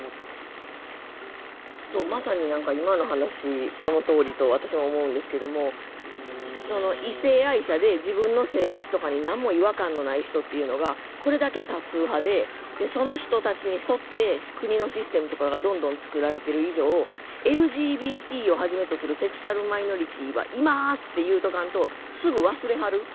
まさに今の話そのとおりと私も思うんですけども異性愛者で自分の性別とかに何も違和感のない人っていうのがこれだけ多数派ででその人たちにそって国のシステムとかがどんどん作られてる以上「ＬＧＢＴをはじめとするセクシュアルマイノリティーはいます！」って言うとかんとすぐ忘れはる。